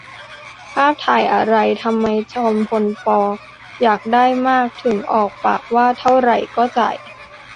ภาพถ่ายอะไร ? ทำไมทำให้จอมพล ป. อยากได้มากถึงออกปากว่า เท่าไหร่ก็จ่าย